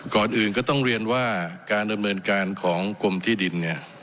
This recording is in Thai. ก่อนอื่นก็ต้องเรียนว่าการดำเนินการของกรมที่ดินเนี่ย